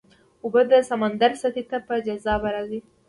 اوبه د سمندر سطحې ته په جاذبه راځي.